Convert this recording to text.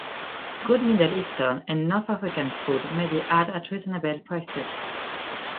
Good Middle Eastern and north African food may be had at reasonable prices.